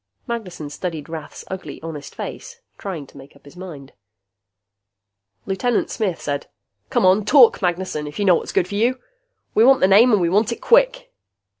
Magnessen studied Rath's ugly, honest face, trying to make up his mind. Lieutenant Smith said, "Come on, talk, Magnessen, if you know what's good for you. We want the name and we want it quick."